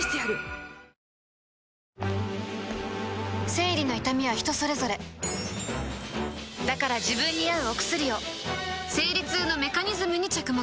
生理の痛みは人それぞれだから自分に合うお薬を生理痛のメカニズムに着目